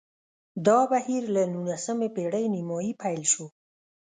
دا بهیر له نولسمې پېړۍ نیمايي پیل شو